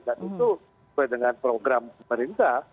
dan itu sesuai dengan program pemerintah